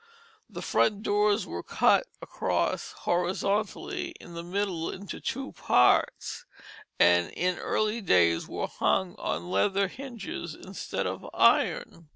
The front doors were cut across horizontally in the middle into two parts, and in early days were hung on leather hinges instead of iron.